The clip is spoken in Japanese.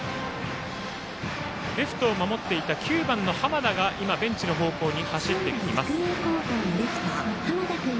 レフトを守っていた９番の濱田がベンチの方向に走ってきます。